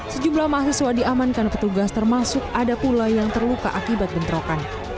sejumlah mahasiswa diamankan petugas termasuk ada pula yang terluka akibat bentrokan